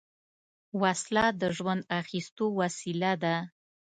وسله د ژوند اخیستو وسیله ده